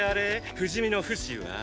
不死身のフシは？